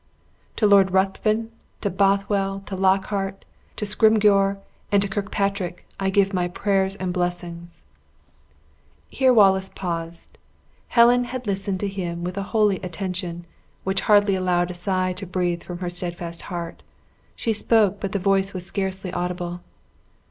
To Lord Ruthven, to Bothwell, to Lockhart, to Scrymgeour, and to Kirkpatrick I give my prayers and blessings." This bequest of Wallace is a fact. Here Wallace paused. Helen had listened to him with a holy attention, which hardly allowed a sigh to breathe from her steadfast heart. She spoke, but the voice was scarcely audible.